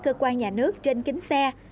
cơ quan nhà nước trên kính xe